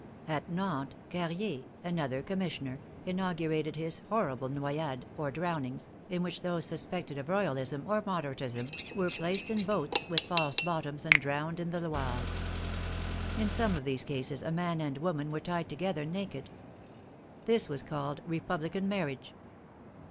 At Nantes, Car rier, another Commissioner, inaugurated his horrible Noyades, or drownings, in which those suspected of Roy alism or Moderatism were placed in boats with false bot toms and drowned in the Loire. In some of these cases a man and woman were tied together naked. This was called " Republican marriage."